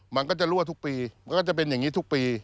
มันก็จะรั่วทุกปีมันก็จะเป็นอย่างนี้ทุกปี